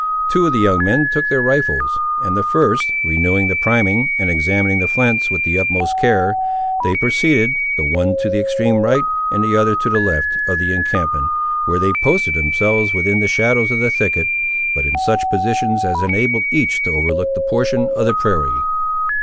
Two of the young men took their rifles; and, first renewing the priming, and examining the flints with the utmost care, they proceeded, the one to the extreme right, and the other to the left, of the encampment, where they posted themselves within the shadows of the thicket; but in such positions as enabled each to overlook a portion of the prairie.